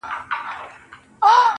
د سترگو د ملا خاوند دی~